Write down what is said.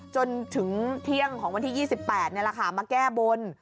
จนถึงเที่ยงของวันที่ยี่สิบแปดเนี่ยแหละคะมาแก้บล